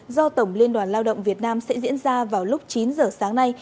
do tổng liên đoàn lao động việt nam sẽ diễn ra vào lúc chín giờ sáng nay